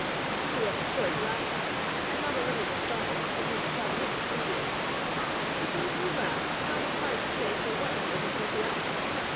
He was of course laughed at, and not a little despised, as an extravagant enthusiast. But those who laughed found it hard to say for what he was enthusiastic.